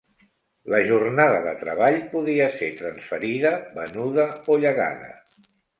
La jornada de treball podia ser transferida, venuda o llegada.